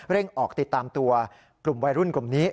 ออกติดตามตัวกลุ่มวัยรุ่นกลุ่มนี้